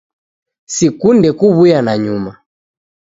Sikunde kuwuya nanyuma